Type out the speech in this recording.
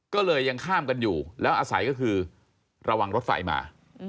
ก็เลยยังข้ามกันอยู่แล้วอาศัยก็คือระวังรถไฟมา